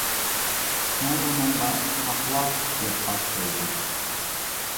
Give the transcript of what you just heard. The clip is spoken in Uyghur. شۇڭا ئۇنىڭغا «ساقلاپ» دەپ ئات قويدى.